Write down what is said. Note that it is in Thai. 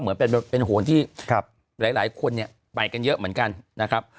เหมือนเป็นโหนที่หลายคนเนี่ยไปกันเยอะเหมือนกันนะครับ